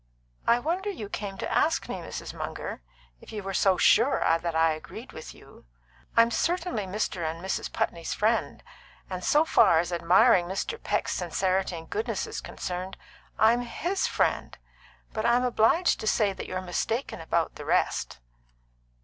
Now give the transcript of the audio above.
"I wonder you came to ask me, Mrs. Munger, if you were so sure that I agreed with you. I'm certainly Mr. and Mrs. Putney's friend, and so far as admiring Mr. Peck's sincerity and goodness is concerned, I'm his friend. But I'm obliged to say that you're mistaken about the rest."